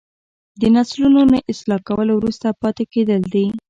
د نسلونو نه اصلاح کول وروسته پاتې کیدل دي.